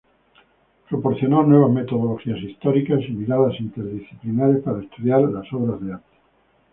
Proporcionó nuevas metodologías históricas y miradas interdisciplinares para estudiar las obras de arte.